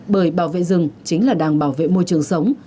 bởi bảo vệ rừng chính là đang bảo vệ môi trường sống